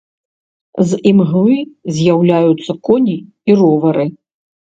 З імглы з'яўляюцца коні і ровары.